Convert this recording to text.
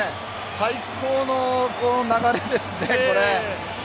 最高の流れですね。